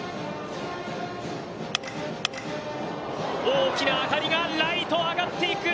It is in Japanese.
大きな当たりがライト上がっていく。